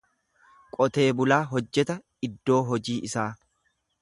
Qotee bulaa hojjeta iddoo hojii isaa.